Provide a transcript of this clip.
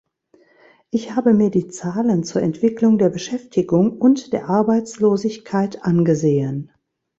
Ich habe mir die Zahlen zur Entwicklung der Beschäftigung und der Arbeitslosigkeit angesehen.